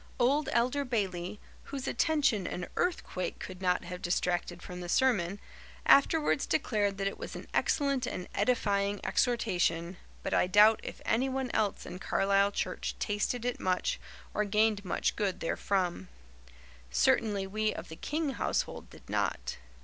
Old Elder Bayley, whose attention an earthquake could not have distracted from the sermon, afterwards declared that it was an excellent and edifying exhortation, but I doubt if anyone else in Carlisle church tasted it much or gained much good therefrom. Certainly we of the King household did not.